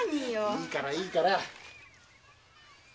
いいからいいから。